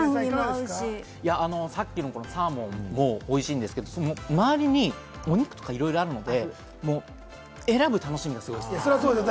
さっきのサーモンもおいしいんですけれども、周りにお肉とかいろいろあるので、選ぶ楽しみがすごいですね。